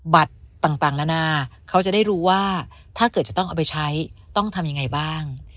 บัตรต่างนานาเขาจะได้รู้ว่าถ้าเกิดจะต้องเอาไปใช้ต้องทำยังไงบ้าง